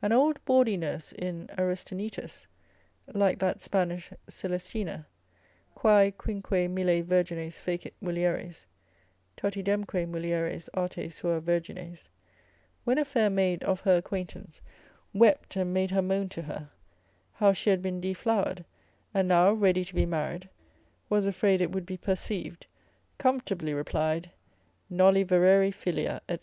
An old bawdy nurse in Aristaenetus, (like that Spanish Caelestina, quae, quinque mille virgines fecit mulieres, totidemque mulieres arte sua virgines) when a fair maid of her acquaintance wept and made her moan to her, how she had been deflowered, and now ready to be married, was afraid it would be perceived, comfortably replied, Noli vereri filia, &c.